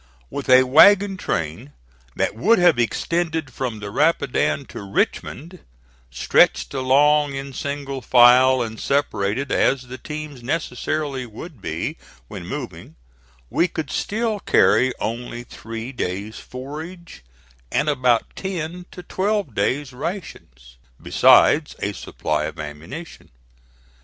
With a wagon train that would have extended from the Rapidan to Richmond, stretched along in single file and separated as the teams necessarily would be when moving, we could still carry only three days' forage and about ten to twelve days' rations, besides a supply of ammunition.